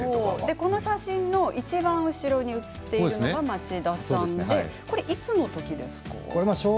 この写真のいちばん後ろに写っているのが町田さんです。